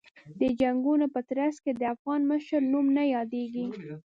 د جنګونو په ترڅ کې د افغان مشر نوم نه یادېږي.